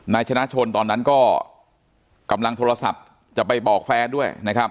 ชนะชนตอนนั้นก็กำลังโทรศัพท์จะไปบอกแฟนด้วยนะครับ